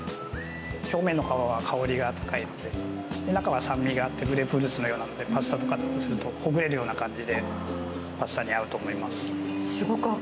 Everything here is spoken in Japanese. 表面の皮は香りが高いので中は酸味があってグレープフルーツのようなんでパスタとかと合わせるとほぐれるような感じでパスタに合うと思います。